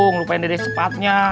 ngelupain dede sepatnya